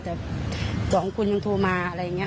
แต่๒คนยังโทรมาอะไรอย่างนี้